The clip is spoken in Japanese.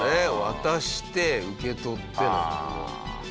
渡して受け取っての。